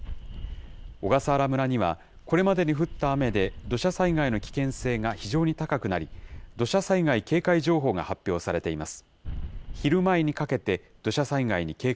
小笠原村には、これまでに降った雨で土砂災害の危険性が非常に高くなり、土砂災害警戒情報が発表されています。